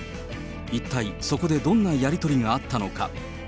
一体そこでどんなやり取りがあったのか。